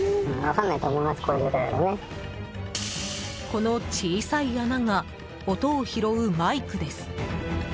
この小さい穴が音を拾うマイクです。